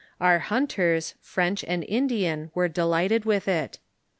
Our hunters, French and Indian, were delighted with it.